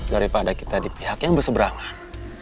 daripada kita di pihak yang berseberangan